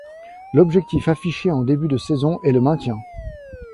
L'objectif affiché en début de saison est le maintien.